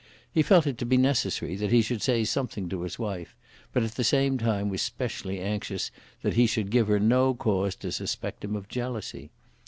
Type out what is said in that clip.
He felt it to be necessary that he should say something to his wife; but, at the same time, was specially anxious that he should give her no cause to suspect him of jealousy.